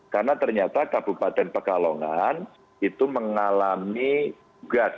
karena ternyata kabupaten pekalongan itu mengalami gas